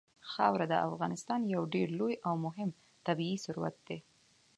خاوره د افغانستان یو ډېر لوی او مهم طبعي ثروت دی.